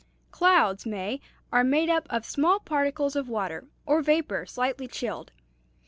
"Clouds, May, are made up of small particles of water or vapor slightly chilled.